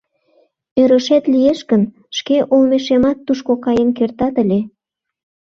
Ӧрышет лиеш гын, шке олмешемат тушко каен кертат ыле.